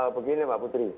begini mbak putri